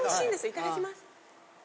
いただきます。